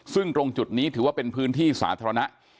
ซึ่งตรงจุดนี้ถือว่าเป็นพื้นที่สาธารณะ